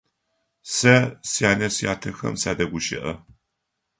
Сэ сянэ-сятэхэм садэгущыӏэ.